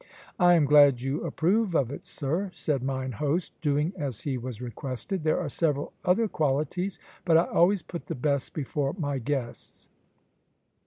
"I am glad you approve of it, sir," said mine host, doing as he was requested. "There are several other qualities, but I always put the best before my guests."